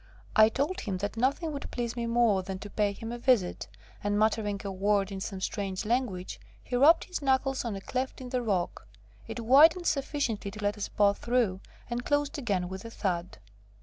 I told him that nothing would please me more than to pay him a visit, and muttering a word in some strange language, he rapped his knuckles on a cleft in the rock. It widened sufficiently to let us both through, and closed again with a thud.